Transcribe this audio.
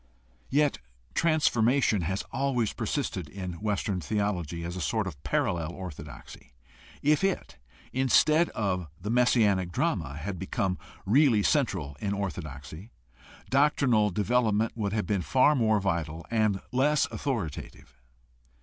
Yet it has always persisted in Western theology as a sort of parallel orthodoxy. If it instead of the messianic drama had become really central in orthodoxy, doctrinal development would have been far more vital and less authori tative.